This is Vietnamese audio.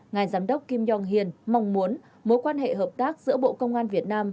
ngài giám đốc kim jong hyun mong muốn mối quan hệ hợp tác giữa bộ công an việt nam